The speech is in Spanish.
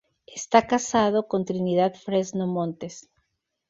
Está casado con Trinidad Fresno Montes.